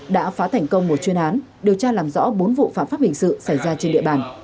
đã phá thành công một chuyên án điều tra làm rõ bốn vụ phạm pháp hình sự xảy ra trên địa bàn